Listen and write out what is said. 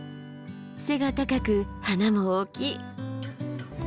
背が高く花も大きい。